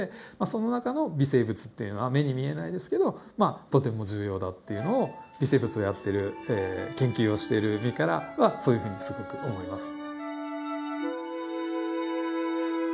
その中の微生物っていうのは目に見えないですけどとても重要だっていうのを微生物をやってる研究をしてる身からはそういうふうにすごく思います。